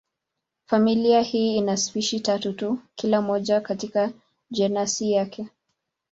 Familia hii ina spishi tatu tu, kila moja katika jenasi yake.